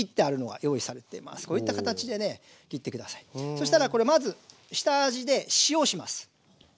そしたらこれまず下味で塩をします。